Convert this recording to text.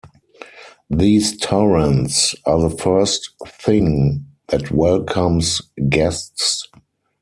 These torans are the first thing that welcomes guests.